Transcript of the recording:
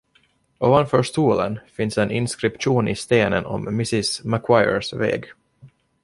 Ovanför stolen finns en inskription i stenen om Mrs Macquaries väg.